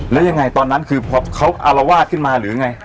แล้วยังไงตอนนั้นคือพอเขาอารวาสขึ้นมาหรือไง